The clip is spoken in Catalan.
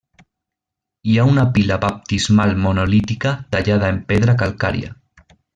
Hi ha una pila baptismal monolítica tallada en pedra calcària.